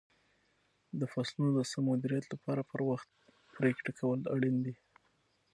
د فصلونو د سم مدیریت لپاره پر وخت پرېکړې کول اړین دي.